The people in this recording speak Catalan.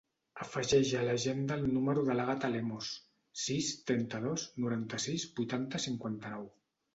Afegeix a l'agenda el número de l'Àgata Lemos: sis, trenta-dos, noranta-sis, vuitanta, cinquanta-nou.